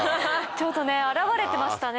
ちょっとね表れてましたね。